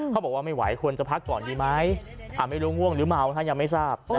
เขาบอกว่าไม่ไหวควรจะพักก่อนดีไหมไม่รู้ง่วงหรือเมาถ้ายังไม่ทราบ